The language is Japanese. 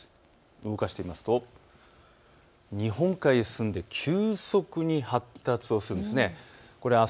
動かしてみますと日本海に進んで急速に発達するんです。